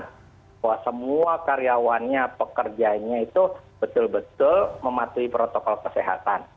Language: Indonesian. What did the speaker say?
bahwa semua karyawannya pekerjanya itu betul betul mematuhi protokol kesehatan